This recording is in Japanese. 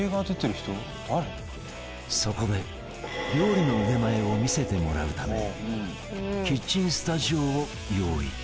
そこで、料理の腕前を見せてもらうためキッチンスタジオを用意